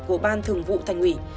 của ban thường vụ thành ủy